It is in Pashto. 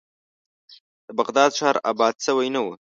د بغداد ښار آباد شوی نه و.